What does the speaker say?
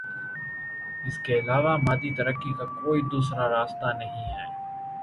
اس کے علاوہ مادی ترقی کا کوئی دوسرا راستہ نہیں ہے۔